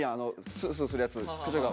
スースーするやつ口ん中。